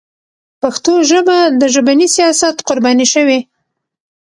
پښتو ژبه د ژبني سیاست قرباني شوې.